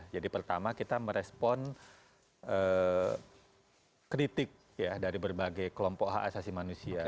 jadi pertama kita merespon kritik dari berbagai kelompok hak asasi manusia